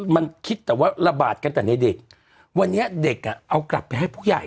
มันคิดแต่ว่าระบาดกันแต่ในเด็กวันนี้เด็กอ่ะเอากลับไปให้ผู้ใหญ่